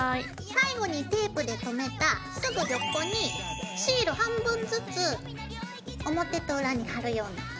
最後にテープでとめたすぐ横にシール半分ずつ表と裏に貼るようにして折り返します。